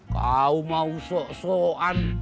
kau mau sok sokan